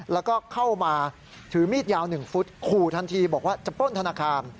แล้วก็เข้ามาถือมีดยาว๑ฟุตขู่ทันทีบอกว่าจะป้นธนาคาร